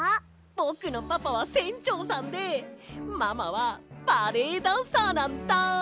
ぼくのパパはせんちょうさんでママはバレエダンサーなんだ。